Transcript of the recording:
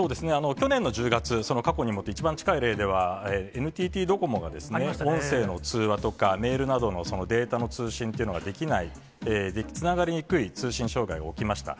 去年の１０月、過去にもって、一番近い例では、ＮＴＴドコモが音声の通話とかメールなどのデータの通信というのができない、つながりにくい通信障害が起きました。